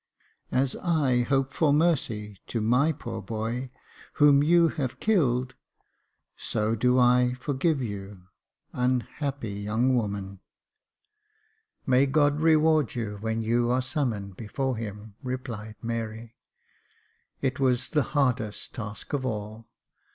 " As I hope for mercy to my poor boy, whom you have killed, so do I forgive you, unhappy young woman." " May God reward you, when you are summoned before Him," replied Mary. " It was the hardest task of all.